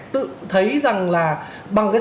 tự thấy rằng là bằng cái